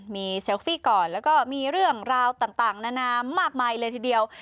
มีเซลฟี่ก่อนแล้วก็มีเรื่องราวต่างนานามากมายเลยทีเดียว